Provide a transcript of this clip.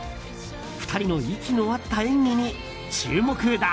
２人の息の合った演技に注目だ。